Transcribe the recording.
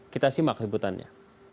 kita simak sebutannya